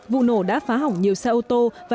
vụ nổ đã phá hỏng nhiều xe ô tô